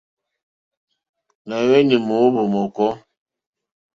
Nà hweni mòohvò mɔ̀kɔ.